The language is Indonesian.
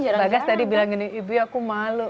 mbak gaz tadi bilang gini ibu aku malu